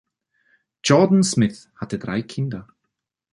Jordan-Smith hatte drei Kinder.